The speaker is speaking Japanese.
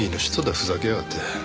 ふざけやがって。